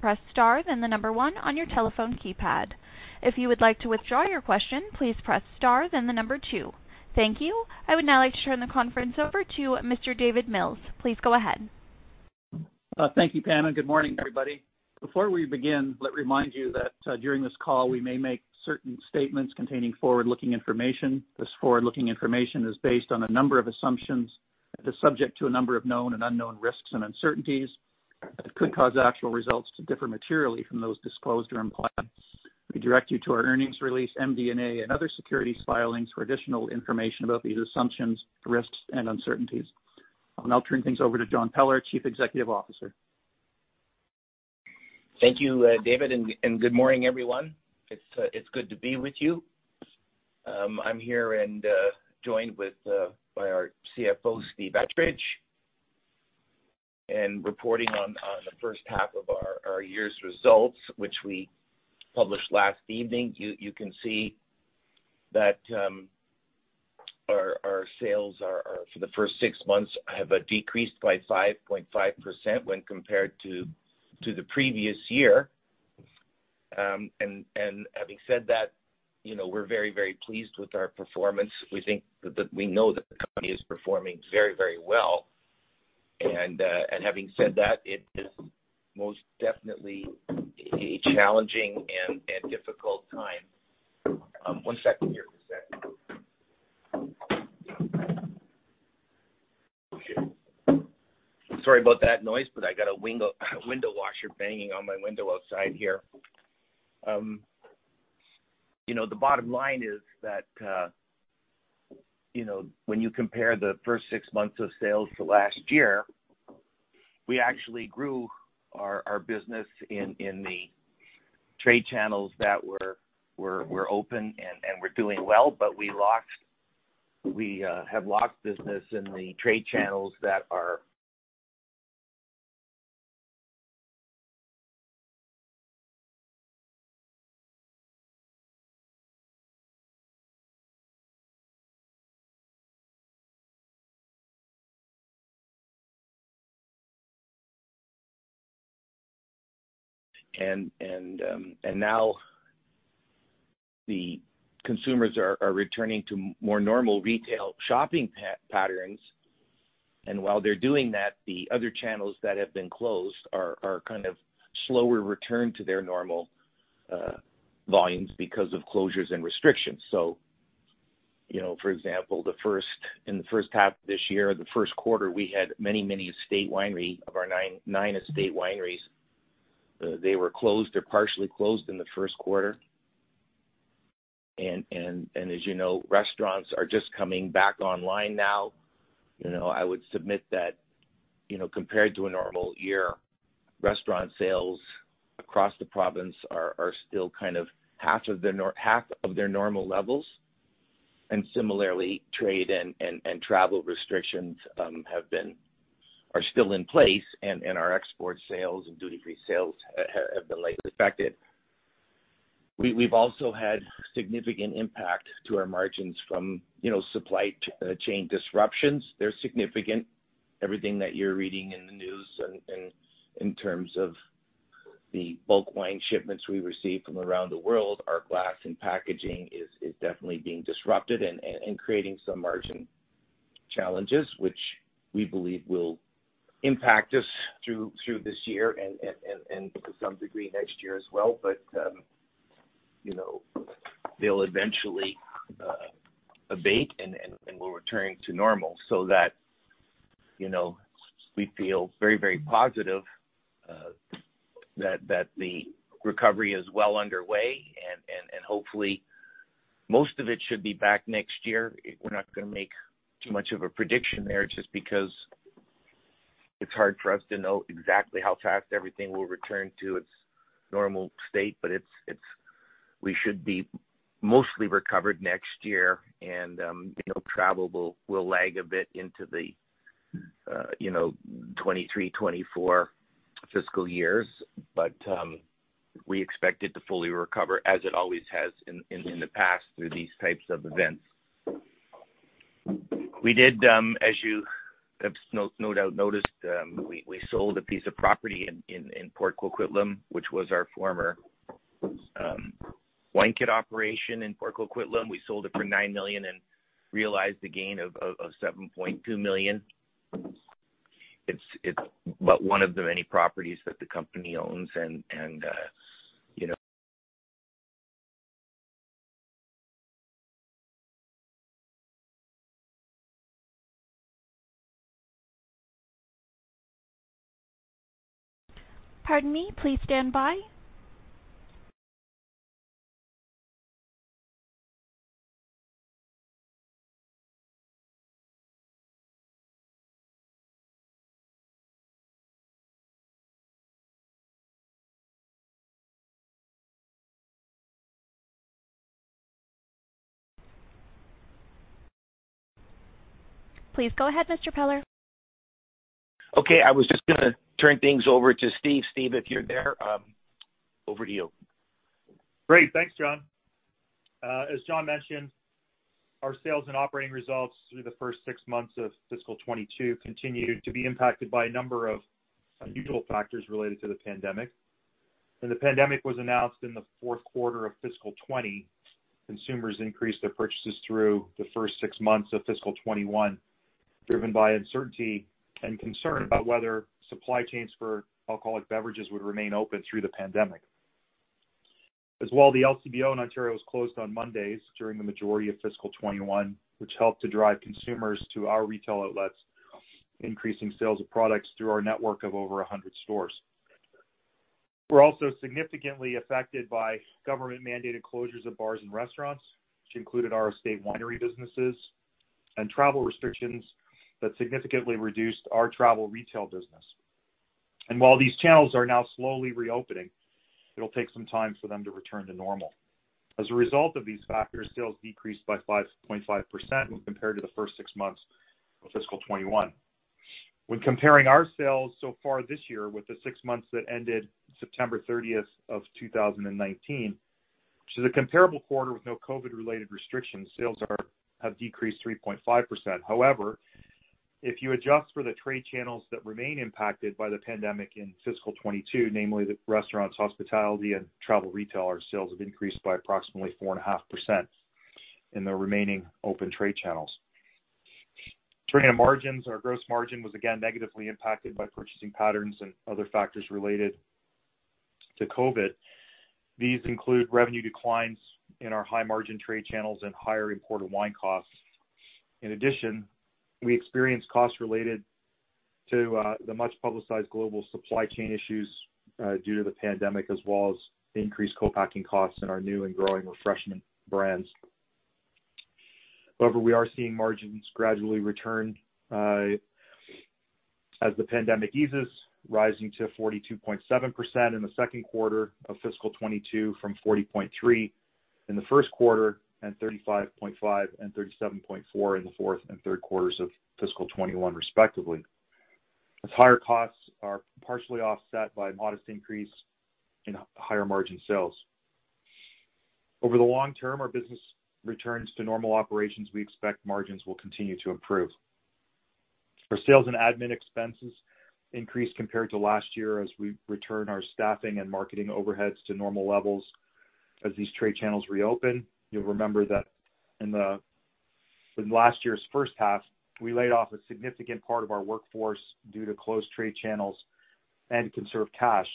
Press star, then one on your telephone keypad. If you would like to withdraw your question, please press star then two. Thank you. I would now like to turn the conference over to Mr. David Mills. Please go ahead. Thank you, Pam. Good morning, everybody. Before we begin, let me remind you that during this call, we may make certain statements containing forward-looking information. This forward-looking information is based on a number of assumptions, is subject to a number of known and unknown risks and uncertainties that could cause actual results to differ materially from those disclosed or implied. We direct you to our earnings release, MD&A and other securities filings for additional information about these assumptions, risks and uncertainties. I'll now turn things over to John Peller, Chief Executive Officer. Thank you, David, and good morning, everyone. It's good to be with you. I'm here and joined by our CFO, Steve Attridge, and reporting on the first half of our year's results, which we published last evening. You can see that our sales for the first six months have decreased by 5.5% when compared to the previous year. Having said that, you know, we're very pleased with our performance. We know that the company is performing very well. Having said that, it is most definitely a challenging and difficult time. One second here. Just a second. Sorry about that noise, but I got a window washer banging on my window outside here. You know, the bottom line is that, you know, when you compare the first six months of sales to last year, we actually grew our business in the trade channels that were open and were doing well. We have lost business in the trade channels that are. Now the consumers are returning to more normal retail shopping patterns. While they're doing that, the other channels that have been closed are kind of slower return to their normal volumes because of closures and restrictions. You know, for example, in the first half of this year, the first quarter, we had many estate winery of our nine estate wineries. They were closed or partially closed in the first quarter. As you know, restaurants are just coming back online now. You know, I would submit that, you know, compared to a normal year, restaurant sales across the province are still kind of half of their normal levels. Similarly, trade and travel restrictions are still in place. Our export sales and duty-free sales have been likely affected. We've also had significant impact to our margins from, you know, supply chain disruptions. They're significant. Everything that you're reading in the news and in terms of the bulk wine shipments we receive from around the world, our glass and packaging is definitely being disrupted and creating some margin challenges, which we believe will impact us through this year and to some degree, next year as well. You know, they'll eventually abate and we'll return to normal so that you know, we feel very positive that the recovery is well underway and hopefully most of it should be back next year. We're not gonna make too much of a prediction there just because it's hard for us to know exactly how fast everything will return to its normal state. We should be mostly recovered next year. You know, travel will lag a bit into the 2023, 2024 fiscal years. We expect it to fully recover as it always has in the past through these types of events. We did, as you have no doubt noticed, we sold a piece of property in Port Coquitlam, which was our former wine kit operation in Port Coquitlam. We sold it for 9 million and realized a gain of 7.2 million. It's but one of the many properties that the company owns. Pardon me. Please stand by. Please go ahead, Mr. Peller. Okay. I was just gonna turn things over to Steve. Steve, if you're there, over to you. Great. Thanks, John. As John mentioned, our sales and operating results through the first six months of fiscal 2022 continued to be impacted by a number of unusual factors related to the pandemic. When the pandemic was announced in the fourth quarter of fiscal 2020, consumers increased their purchases through the first six months of fiscal 2021, driven by uncertainty and concern about whether supply chains for alcoholic beverages would remain open through the pandemic. As well, the LCBO in Ontario was closed on Mondays during the majority of fiscal 2021, which helped to drive consumers to our retail outlets, increasing sales of products through our network of over 100 stores. We're also significantly affected by government-mandated closures of bars and restaurants, which included our estate winery businesses and travel restrictions that significantly reduced our travel retail business. While these channels are now slowly reopening, it'll take some time for them to return to normal. As a result of these factors, sales decreased by 5.5% when compared to the first six months of fiscal 2021. When comparing our sales so far this year with the six months that ended September 30, 2019, which is a comparable quarter with no COVID-related restrictions, sales have decreased 3.5%. However, if you adjust for the trade channels that remain impacted by the pandemic in fiscal 2022, namely the restaurants, hospitality, and travel retail, our sales have increased by approximately 4.5% in the remaining open trade channels. Turning to margins, our gross margin was again negatively impacted by purchasing patterns and other factors related to COVID. These include revenue declines in our high-margin trade channels and higher imported wine costs. In addition, we experienced costs related to the much-publicized global supply chain issues due to the pandemic, as well as increased co-packing costs in our new and growing refreshment brands. However, we are seeing margins gradually return as the pandemic eases, rising to 42.7% in the second quarter of fiscal 2022 from 40.3% in the first quarter and 35.5% and 37.4% in the fourth and third quarters of fiscal 2021 respectively, as higher costs are partially offset by a modest increase in higher margin sales. Over the long-term, our business returns to normal operations. We expect margins will continue to improve. Our sales and admin expenses increased compared to last year as we return our staffing and marketing overheads to normal levels as these trade channels reopen. You'll remember that in last year's first half, we laid off a significant part of our workforce due to closed trade channels and conserved cash.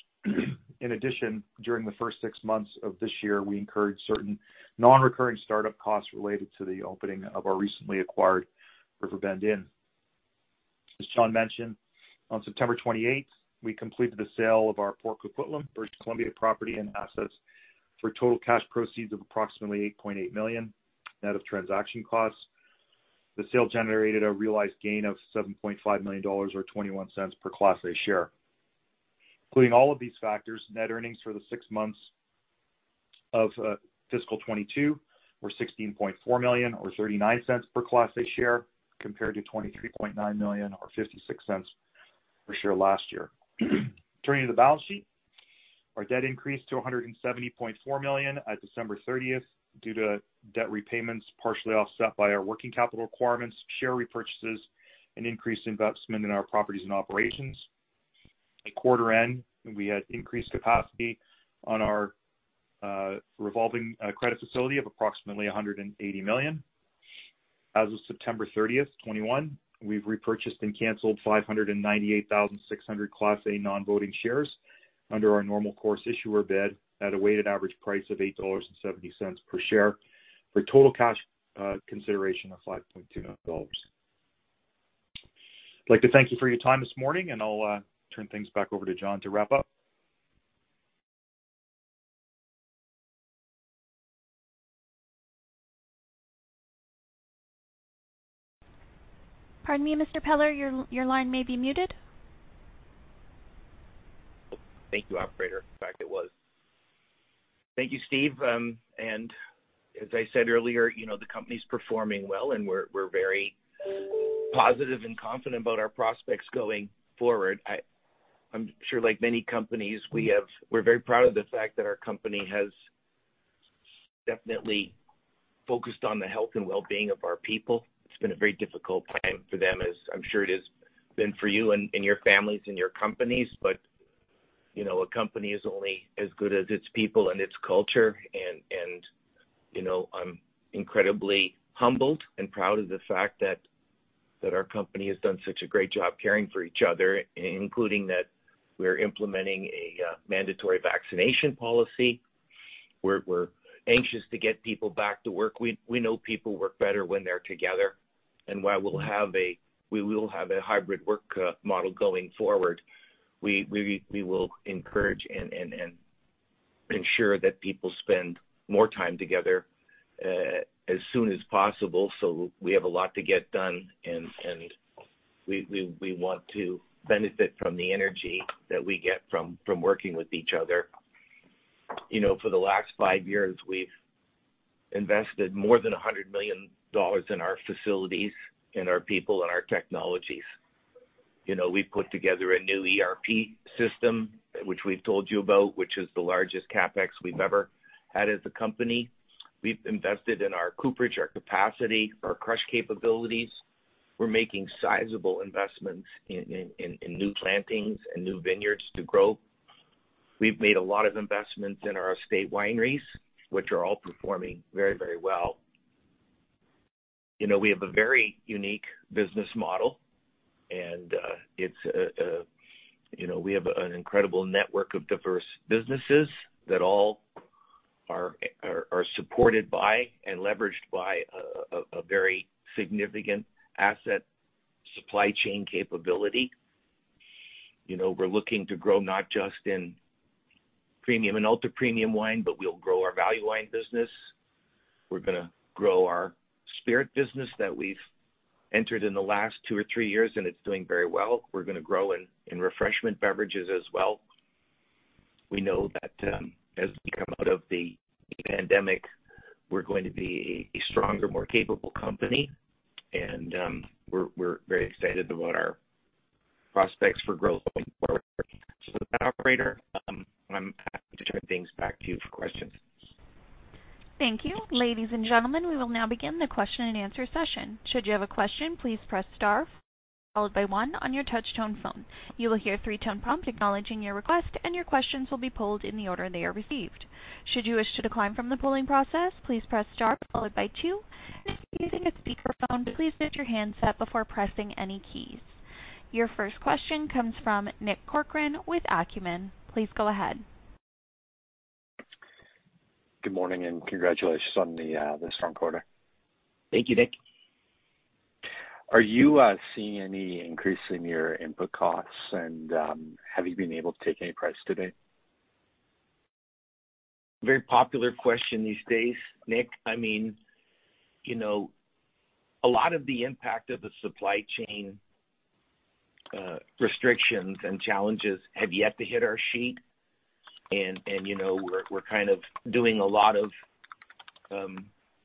In addition, during the first six months of this year, we incurred certain non-recurring startup costs related to the opening of our recently acquired Riverbend Inn. As John mentioned, on September 28, we completed the sale of our Port Coquitlam, British Columbia property and assets for total cash proceeds of approximately 8.8 million net of transaction costs. The sale generated a realized gain of 7.5 million dollars or 0.21 per Class A share. Including all of these factors, net earnings for the six months of fiscal 2022 were 16.4 million or 0.39 per Class A share, compared to 23.9 million or 0.56 per share last year. Turning to the balance sheet, our debt increased to 170.4 million at December 30 due to debt repayments, partially offset by our working capital requirements, share repurchases, and increased investment in our properties and operations. At quarter end, we had increased capacity on our revolving credit facility of approximately 180 million. As of September 30, 2021, we've repurchased and canceled 598,600 Class A non-voting shares under our normal course issuer bid at a weighted average price of 8.70 dollars per share for total cash consideration of 5.2 million dollars. I'd like to thank you for your time this morning, and I'll turn things back over to John to wrap up. Pardon me, Mr. Peller, your line may be muted. Thank you, operator. In fact, it was. Thank you, Steve. As I said earlier, you know, the company's performing well, and we're very positive and confident about our prospects going forward. I'm sure like many companies, we're very proud of the fact that our company has definitely focused on the health and well-being of our people. It's been a very difficult time for them as I'm sure it has been for you and your families and your companies. You know, a company is only as good as its people and its culture and, you know, I'm incredibly humbled and proud of the fact that our company has done such a great job caring for each other, including that we're implementing a mandatory vaccination policy. We're anxious to get people back to work. We know people work better when they're together. While we'll have a hybrid work model going forward, we will encourage and ensure that people spend more time together as soon as possible. We have a lot to get done and we want to benefit from the energy that we get from working with each other. You know, for the last five years we've invested more than 100 million dollars in our facilities, in our people, in our technologies. You know, we've put together a new ERP system, which we've told you about, which is the largest CapEx we've ever had as a company. We've invested in our cooperage, our capacity, our crush capabilities. We're making sizable investments in new plantings and new vineyards to grow. We've made a lot of investments in our estate wineries, which are all performing very well. You know, we have a very unique business model, and, it's, you know, we have an incredible network of diverse businesses that all are supported by and leveraged by a very significant asset supply chain capability. You know, we're looking to grow not just in premium and ultra-premium wine, but we'll grow our value wine business. We're gonna grow our spirit business that we've entered in the last two or three years, and it's doing very well. We're gonna grow in refreshment beverages as well. We know that, as we come out of the pandemic, we're going to be a stronger, more capable company, and, we're very excited about our prospects for growth going forward. With that, operator, I'm happy to turn things back to you for questions. Thank you. Ladies and gentlemen, we will now begin the question-and-answer session. Should you have a question, please press star followed by one on your touchtone phone. You will hear a three-tone prompt acknowledging your request, and your questions will be pulled in the order they are received. Should you wish to decline from the polling process, please press star followed by two. If you're using a speakerphone, please mute your handset before pressing any keys. Your first question comes from Nick Corcoran with Acumen. Please go ahead. Good morning, and congratulations on the strong quarter. Thank you, Nick. Are you seeing any increase in your input costs, and have you been able to take any price today? Very popular question these days, Nick. I mean, you know, a lot of the impact of the supply chain restrictions and challenges have yet to hit our sheet. You know, we're kind of doing a lot of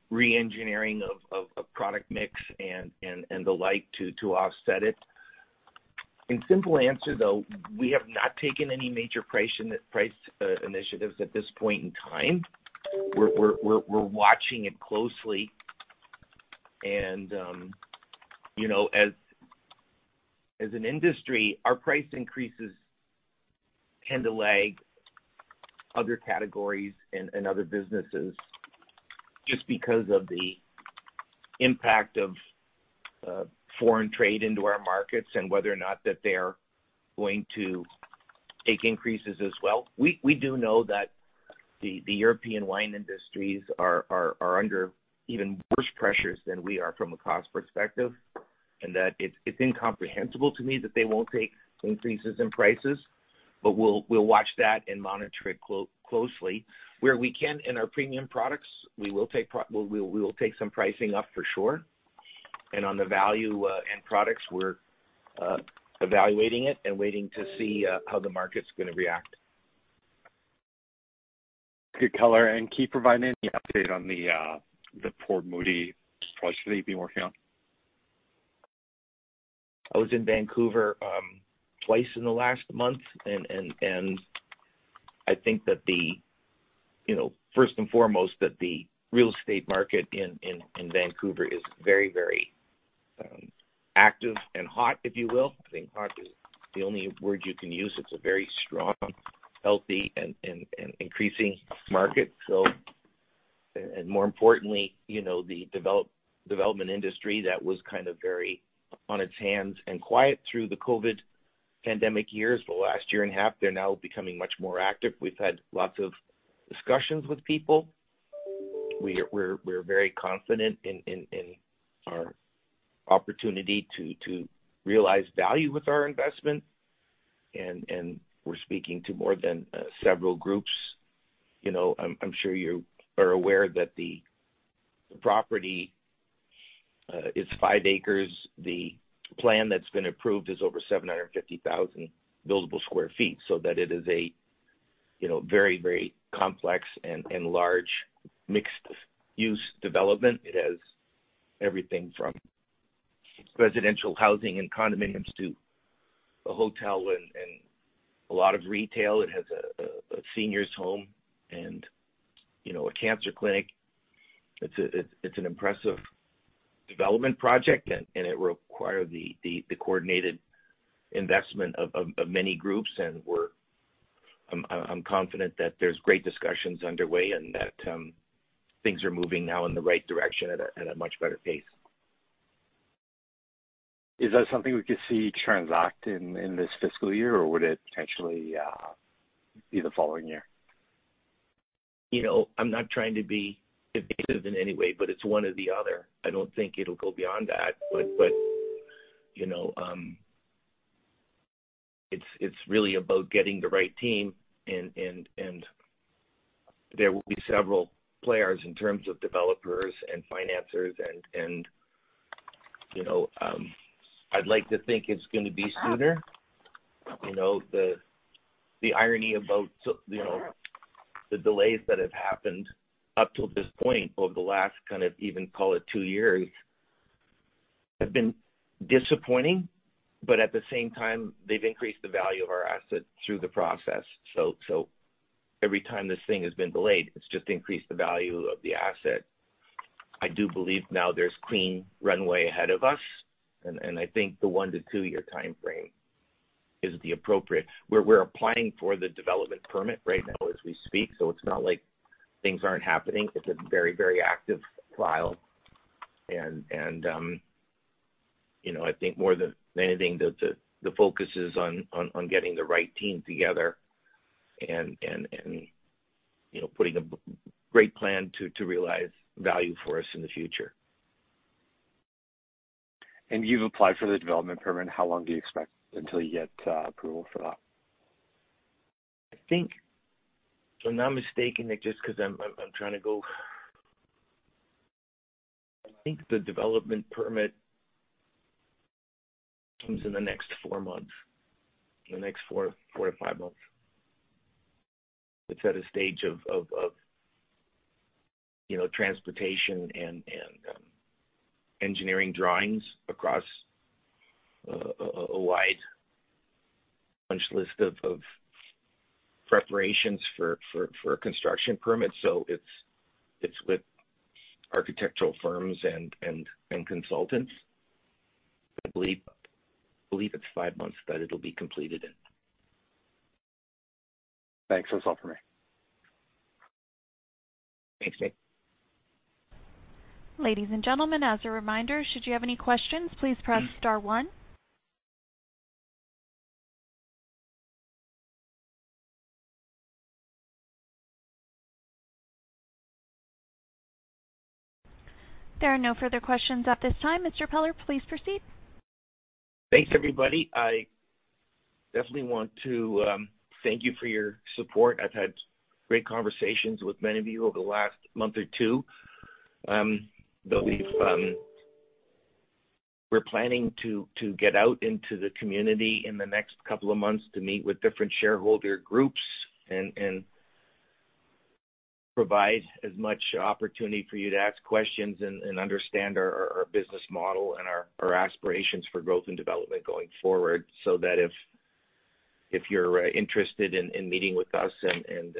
re-engineering of product mix and the like to offset it. In simple answer, though, we have not taken any major price increase initiatives at this point in time. We're watching it closely. You know, as an industry, our price increases tend to lag other categories and other businesses just because of the impact of foreign trade into our markets and whether or not they're going to take increases as well. We do know that the European wine industries are under even worse pressures than we are from a cost perspective, and that it's incomprehensible to me that they won't take increases in prices. We'll watch that and monitor it closely. Where we can in our premium products, we will take some pricing up for sure. On the value end products, we're evaluating it and waiting to see how the market's gonna react. Good color. Can you provide any update on the Port Moody project that you've been working on? I was in Vancouver twice in the last month. I think that the real estate market in Vancouver is very active and hot, if you will. I think hot is the only word you can use. It's a very strong, healthy and increasing market. More importantly, you know, the development industry that was kind of very sat on its hands and quiet through the COVID pandemic years, the last year and a half, they're now becoming much more active. We've had lots of discussions with people. We're very confident in our opportunity to realize value with our investment. We're speaking to more than several groups. You know, I'm sure you are aware that the property is 5 acres. The plan that's been approved is over 750,000 buildable sq ft, so that it is a, you know, very complex and large mixed-use development. It has everything from residential housing and condominiums to a hotel and a lot of retail. It has a senior's home and, you know, a cancer clinic. It's an impressive development project and it will require the coordinated investment of many groups. I'm confident that there's great discussions underway and that things are moving now in the right direction at a much better pace. Is that something we could see transact in this fiscal year, or would it potentially be the following year? You know, I'm not trying to be evasive in any way, but it's one or the other. I don't think it'll go beyond that. You know, it's really about getting the right team and there will be several players in terms of developers and financiers. You know, I'd like to think it's gonna be sooner. You know, the irony about, you know, the delays that have happened up till this point over the last kind of even call it two years, have been disappointing, but at the same time, they've increased the value of our asset through the process. Every time this thing has been delayed, it's just increased the value of the asset. I do believe now there's clean runway ahead of us, and I think the 1- to two-year time frame is the appropriate. We're applying for the development permit right now as we speak. It's not like things aren't happening. It's a very active file. You know, I think more than anything, the focus is on getting the right team together and you know, putting a great plan to realize value for us in the future. You've applied for the development permit. How long do you expect until you get approval for that? I think if I'm not mistaken, the development permit comes in the next four to five months. It's at a stage of you know, transportation and engineering drawings across a wide punch list of preparations for a construction permit. It's with architectural firms and consultants. I believe it's five months that it'll be completed in. Thanks. That's all for me. Thanks, Nate. Ladies and gentlemen, as a reminder, should you have any questions, please press star one. There are no further questions at this time. Mr. Peller, please proceed. Thanks, everybody. I definitely want to thank you for your support. I've had great conversations with many of you over the last month or two. I believe we're planning to get out into the community in the next couple of months to meet with different shareholder groups and provide as much opportunity for you to ask questions and understand our business model and our aspirations for growth and development going forward. That if you're interested in meeting with us and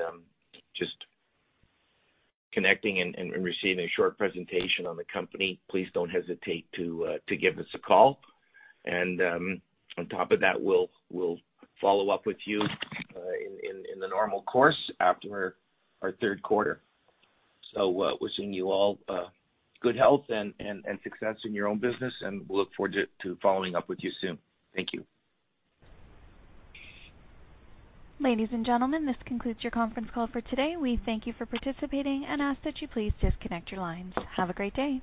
just connecting and receiving a short presentation on the company, please don't hesitate to give us a call. On top of that, we'll follow up with you in the normal course after our third quarter. Wishing you all good health and success in your own business, and we'll look forward to following up with you soon. Thank you. Ladies and gentlemen, this concludes your conference call for today. We thank you for participating and ask that you please disconnect your lines. Have a great day.